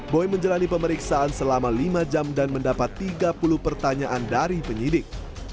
boy menjalani pemeriksaan selama lima jam dan mendapat tiga puluh pertanyaan dari penyidik